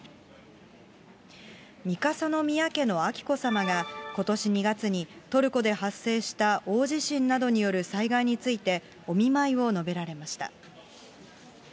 三笠宮家の彬子さまがことし２月にトルコで発生した大地震などによる災害について、お見舞いを述べられました。